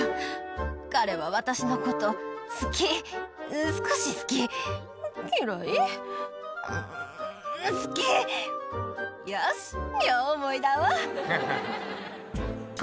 彼は私のこと、好き、少し好き、嫌い、うーん、好き、よし、両思いだわ。